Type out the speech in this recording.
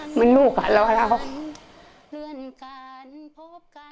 เหมือนลูกกับเรา